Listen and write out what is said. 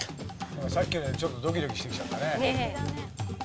さっきのでちょっとドキドキしてきちゃったね。